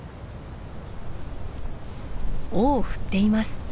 尾を振っています。